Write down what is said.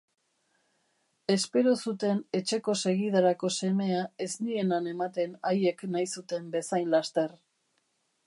Espero zuten etxeko segidarako semea ez nienan ematen haiek nahi zuten bezain laster.